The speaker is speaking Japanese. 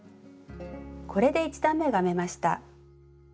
これで１段めが編めました。